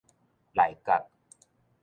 内角